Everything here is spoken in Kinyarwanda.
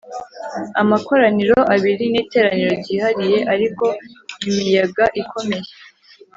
Amakoraniro abiri n iteraniro ryihariye ariko imiyagaikomeye